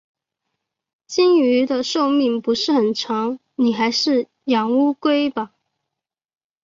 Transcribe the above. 金鱼的寿命不是很长，你还是养乌龟吧。